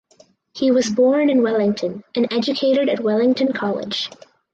He was born in Wellington and educated at Wellington College.